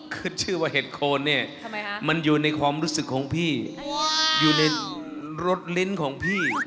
คือชื่อว่าเห็ดโคนเนี่ยมันอยู่ในความรู้สึกของพี่อยู่ในรถลิ้นของพี่